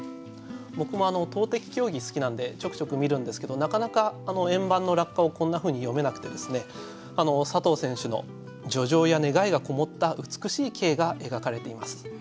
僕も投てき競技好きなんでちょくちょく見るんですけどなかなか円盤の落下をこんなふうに読めなくてですね佐藤選手の叙情や願いがこもった美しい景が描かれています。